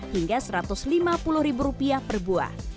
hingga rp satu ratus lima puluh per buah